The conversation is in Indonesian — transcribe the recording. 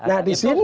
nah di sini kan